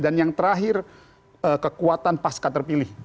dan yang terakhir kekuatan pasca terpilih